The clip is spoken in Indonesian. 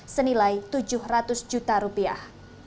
senilai tujuh ratus juta rupiah